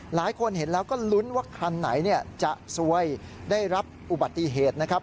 หลายคนเห็นแล้วก็ลุ้นว่าคันไหนจะซวยได้รับอุบัติเหตุนะครับ